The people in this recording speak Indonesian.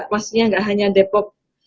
maksudnya gak hanya depok